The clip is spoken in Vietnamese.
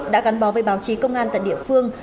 đã gắn bó với báo chí công an tại địa phương